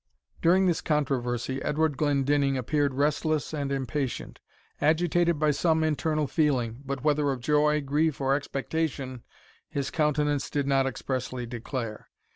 During this controversy Edward Glendinning appeared restless and impatient, agitated by some internal feeling, but whether of joy, grief, or expectation, his countenance did not expressly declare.